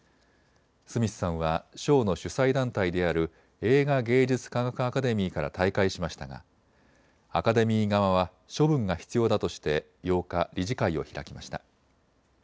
スミスさんは賞の主催団体である映画芸術科学アカデミーから退会しましたがアカデミー側は処分が必要だとして８日、理事会を開きました。